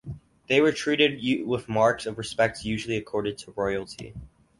They were treated with marks of respect usually accorded to royalty.